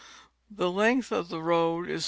The length of the road is 47.